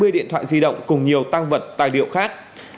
hai mươi điện thoại di động cùng nhiều tăng vật tài liệu khác